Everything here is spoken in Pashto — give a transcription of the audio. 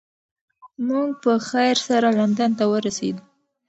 موږ په خیر سره لندن ته ورسیدو.